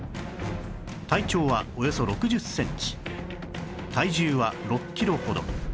体長はおよそ６０センチ体重は６キロほど